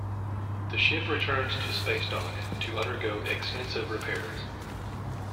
The ship returns to spacedock to undergo extensive repairs.